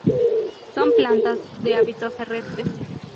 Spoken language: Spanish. Son plantas de hábitos terrestres.